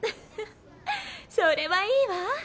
それはいいわ。